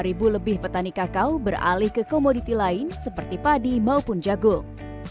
dua puluh ribu lebih petani kakao beralih ke komoditi lain seperti padi maupun jagung